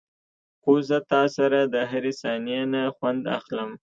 خو زه تاسره دهرې ثانيې نه خوند اخلم.